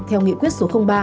theo nghị quyết số ba